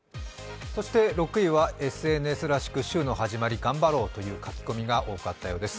６位はＳＮＳらしく「週の始まり頑張ろう」という書き込みが多かったようです。